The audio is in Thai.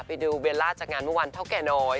ไปดูเบลล่าจากงานเมื่อวันเท่าแก่น้อย